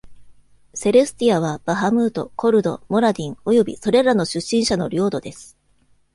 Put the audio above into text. セレスティアは、バハムート、コルド、モラディン、およびそれらの出身者の領土です。